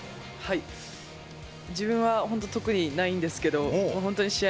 自分は本当、特にないんですけど、本当に試合